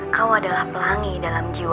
kau adalah pelangi dalam jiwa